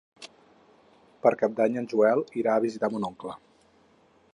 Per Cap d'Any en Joel irà a visitar mon oncle.